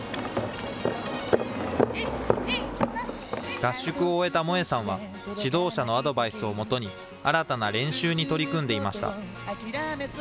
合宿を終えた萌恵さんは、指導者のアドバイスを基に、新たな練習に取り組んでいました。